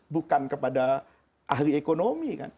bukan kepada ahli ekonomi kan